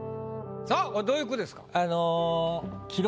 さぁこれどういう句ですか？